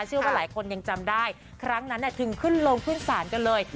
เชื่อว่าหลายคนยังจำได้ครั้งนั้นถึงขึ้นลงขึ้นศาลกันเลย